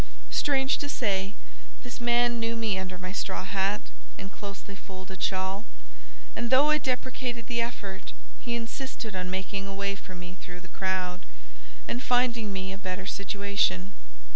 Strange to say, this man knew me under my straw hat and closely folded shawl; and, though I deprecated the effort, he insisted on making a way for me through the crowd, and finding me a better situation.